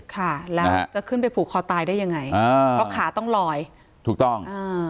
ขาแล้วจะขึ้นไปผูกคอตายได้อย่างไงก็ขาต้องรอยถูกต้อง